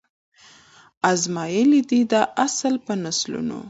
آزمیېلی دی دا اصل په نسلونو